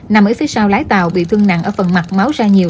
nằm ở phía sau lái tàu bị thương nặng ở phần mặt máu ra nhiều